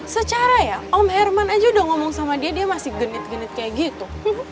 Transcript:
secara ya om herman aja udah ngomong sama dia dia masih genit genit kayak gitu